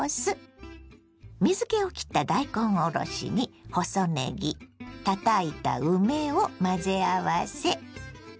水けをきった大根おろしに細ねぎたたいた梅を混ぜ合わせ。